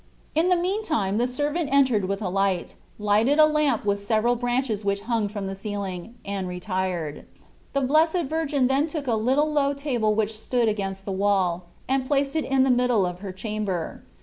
In the meantime the servant entered with a light, lighted a lamp with several branches which hung from the ceiling, and retired. The Blessed Virgin then took a little low table which stood against the wall, and placed it in the middle of her chamber.